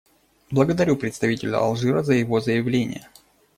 Благодарю представителя Алжира за его заявление.